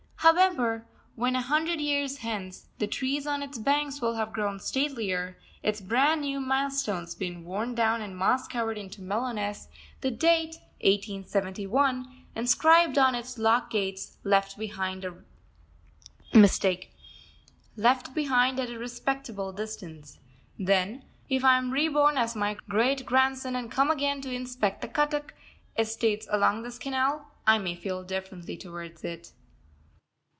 However when, a hundred years hence, the trees on its banks will have grown statelier; its brand new milestones been worn down and moss covered into mellowness; the date 1871, inscribed on its lock gates, left behind at a respectable distance; then, if I am reborn as my great grandson and come again to inspect the Cuttack estates along this canal, I may feel differently towards it.